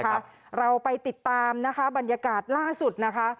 เราไปติดตามนะคะบรรยากาศล่าสุดนะคะ